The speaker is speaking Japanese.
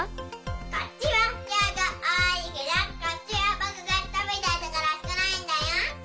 こっちはりょうがおおいけどこっちはぼくがたべちゃったからすくないんだよ。